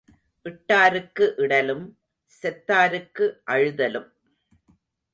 இட்டாருக்கு இடலும், செத்தாருக்கு அழுதலும்.